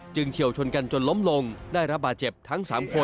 เฉียวชนกันจนล้มลงได้รับบาดเจ็บทั้ง๓คน